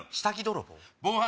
下着泥棒？